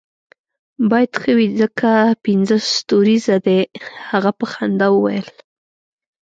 باید ښه وي ځکه پنځه ستوریزه دی، هغه په خندا وویل.